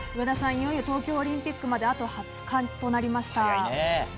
いよいよ東京オリンピックまであと２０日となりました。